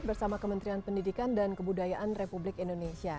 bersama kementerian pendidikan dan kebudayaan republik indonesia